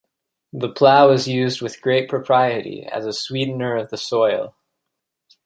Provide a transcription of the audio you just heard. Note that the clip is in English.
The plough is used with great propriety, as a sweetener of the soil.